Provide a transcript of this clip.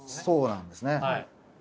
そうなんですね。